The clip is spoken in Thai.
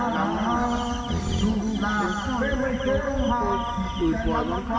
เย็นไหว